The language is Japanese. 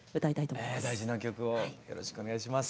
大事な曲をよろしくお願いします。